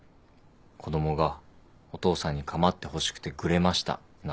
子供がお父さんに構ってほしくてぐれましたなんて